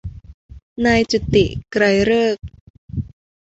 นายจุติ ไกรฤกษ์